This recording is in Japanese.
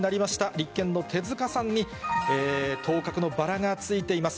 立憲の手塚さんに当確のバラがついています。